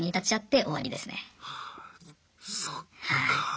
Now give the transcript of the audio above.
そっかあ。